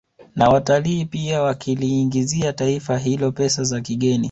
Na watalii pia wakiliingizia taifa hilo pesa za kigeni